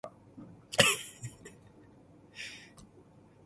老師你太客氣啦